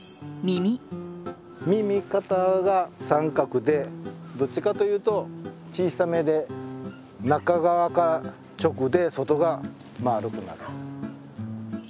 耳型が三角でどっちかというと小さめで中側が直で外が丸くなる。